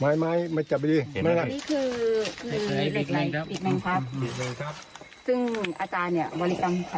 น่ากลีนร